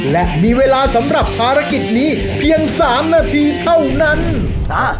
และมีเวลาสำหรับภารกิจนี้เพียงสามนาทีเท่านั้น